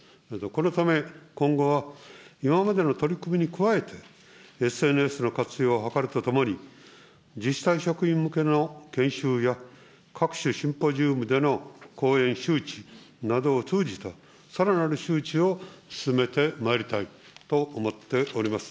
このため、今後は今までの取り組みに加えて、ＳＮＳの活用を図るとともに、自治体職員向けの研修や、各種シンポジウムでの講演、周知などを通じた、さらなる周知を進めてまいりたいと思っております。